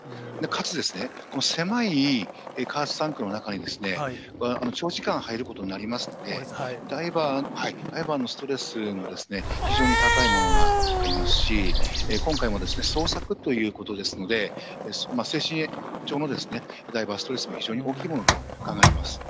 かつ、この狭い加圧タンクの中に長時間入ることになりますので、ダイバーのストレスも非常に高いものがありますし、今回もですね、捜索ということですので、精神上のダイバーストレスも非常に大きいものと考えています。